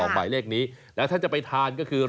หมายเลขนี้แล้วถ้าจะไปทานก็คือ